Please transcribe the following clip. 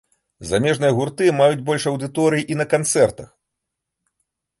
Замежныя гурты маюць больш аўдыторыі і на канцэртах.